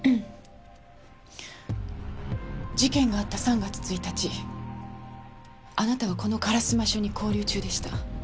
事件があった３月１日あなたはこの烏丸署に勾留中でした。